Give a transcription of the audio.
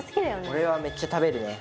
俺はめっちゃ食べるね。